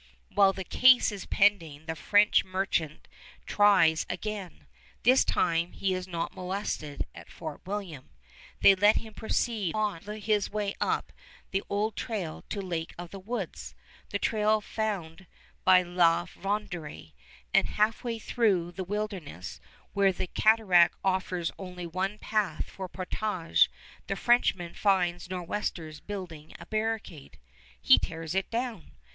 While the case is pending the French merchant tries again. This time he is not molested at Fort William. They let him proceed on his way up the old trail to Lake of the Woods, the trail found by La Vérendrye; and halfway through the wilderness, where the cataract offers only one path for portage, the Frenchman finds Nor' westers building a barricade; he tears it down.